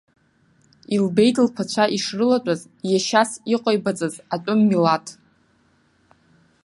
Илбеит лԥацәа ишрылатәаз иашьас иҟаибаҵаз атәым милаҭ.